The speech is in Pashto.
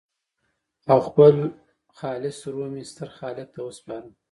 او خپل خالص روح مې ستر خالق ته وسپاره.